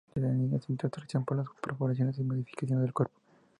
Desde niño sintió atracción por las perforaciones y las modificaciones del cuerpo.